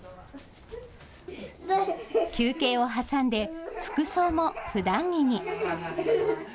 休憩を挟んで服装もふだん着に。